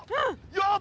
やった！